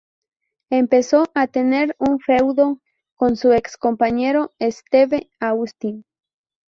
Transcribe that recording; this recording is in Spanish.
Empezó a tener un feudo con su ex-compañero, Steve Austin.